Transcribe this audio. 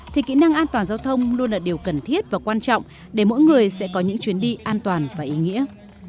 thì kỹ năng an toàn giao thông luôn là điều cần thiết và quan trọng để mỗi người sẽ có những chuyến đi an toàn và ý nghĩa